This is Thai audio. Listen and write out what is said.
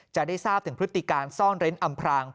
จะได้ทราบถึงพฤติการซ่อนเร้นอำพราง